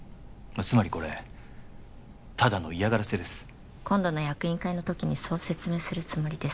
つまりこれただの嫌がらせです今度の役員会の時にそう説明するつもりです